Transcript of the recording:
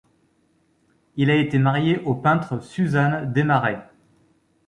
Il a été marié au peintre Suzanne Demarest.